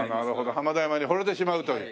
浜田山にほれてしまうという。